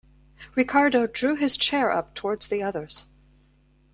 Ricardo drew his chair up towards the others.